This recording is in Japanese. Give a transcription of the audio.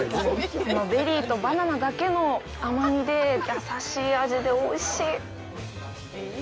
このベリーとバナナだけの甘みで優しい味で、おいしい！